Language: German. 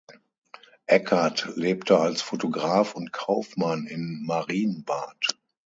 Eckert lebte als Fotograf und Kaufmann in Marienbad.